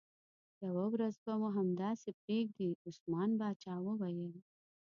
یوه ورځ به مو همداسې پرېږدي، عثمان باچا وویل.